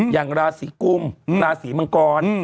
อย่างราศีกุมราศีมังกร